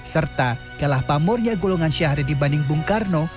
serta kalah pamurnya golongan syahrir dibanding bung karno